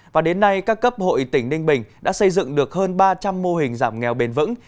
và đến nay các cấp hội tỉnh ninh bình đã xây dựng được hơn ba trăm linh mô hình giảm nghèo bền vững